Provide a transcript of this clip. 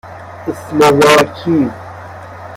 اسلواکی